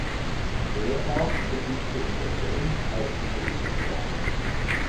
Erbach verfügte in der Cent auch über die Vogtei.